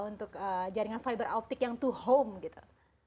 untuk jaringan fiber optic yang to home gitu